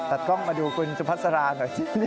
ตัดกล้องมาดูคุณสุภัษฐราหน่อย